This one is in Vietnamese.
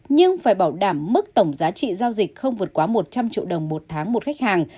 nhưng phải bảo đảm mức tổng giá trị giao dịch không vượt quá một trăm linh triệu đồng một tháng một khách hàng